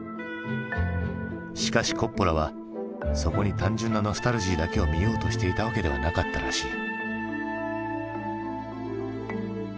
しかしコッポラはそこに単純なノスタルジーだけを見ようとしていたわけではなかったらしい。